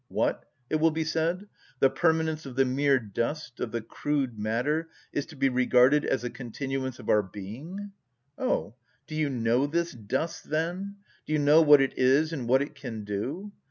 "What!" it will be said, "the permanence of the mere dust, of the crude matter, is to be regarded as a continuance of our being?" Oh! do you know this dust, then? Do you know what it is and what it can do?